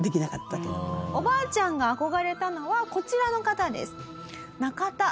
おばあちゃんが憧れたのはこちらの方です。